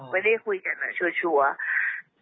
ไม่ได้คุยกันชัวร์